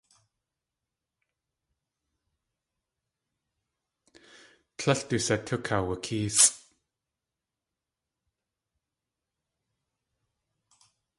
Tlél du satú kawukéesʼ.